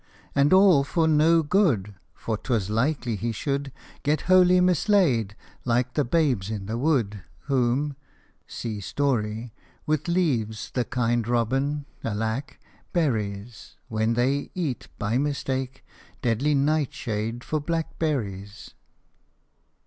And all for no good, For 'twas likely he should Get wholly mislaid, like the Babes in the Wood, Whom (see story) with leaves the kind robin, alack ! buries, When they eat, by mistake, deadly nightshade for blackberries